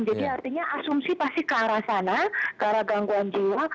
jadi artinya asumsi pasti ke arah sana ke arah gangguan jiwa